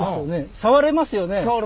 触れますね。